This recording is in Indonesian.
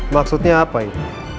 maksudnya apa itu